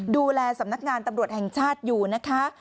ดูแลสำนักงานตำรวจแห่งชาติอยู่นะคะ